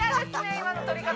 今の取り方。